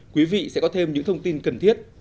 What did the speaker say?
quý vị sẽ có thêm những thông tin cần thiết